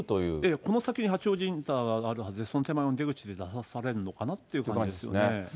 この先に八王子インターがあるはずで、その手前の出口で出されるのかなということですよね。